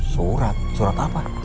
surat surat apa